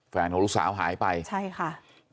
แฟนของลูกสาวหายไปใช่ค่ะ